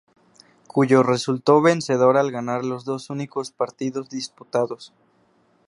Cuyo resultó vencedor al ganar los dos únicos partidos disputados.